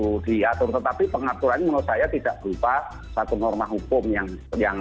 dan itu kan misalnya itu perlu diatur tetapi pengaturan menurut saya tidak berupa satu norma hukum yang diperlukan